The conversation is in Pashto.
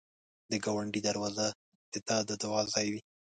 د ګاونډي دروازه د تا د دعا ځای وي